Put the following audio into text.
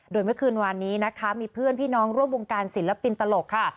โดยเมื่อคืนวานนี้นะคะมีเพื่อนพี่น้องร่วมวงการศิลปินตลกค่ะ